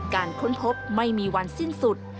ค้นพบไม่มีวันสิ้นสุด